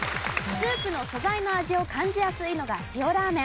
スープの素材の味を感じやすいのが塩ラーメン。